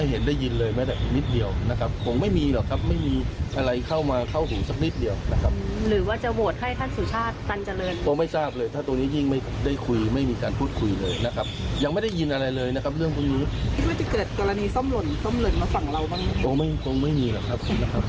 ผมคิดว่าคงไปตามทันรองครับ